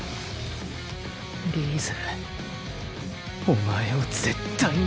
リーゼお前を絶対に